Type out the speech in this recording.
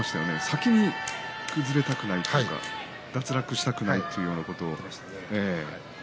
先に崩れたくない脱落したくないというようなことをね